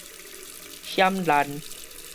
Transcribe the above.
險難